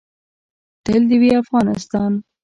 تل دې وي افغانستان؟